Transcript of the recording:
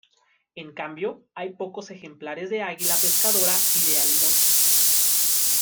En cambio, hay pocos ejemplares de águila pescadora y de alimoche.